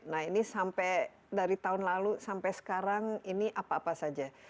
nah ini sampai dari tahun lalu sampai sekarang ini apa apa saja